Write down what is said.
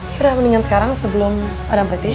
yaudah mendingan sekarang sebelum ada ampe tiga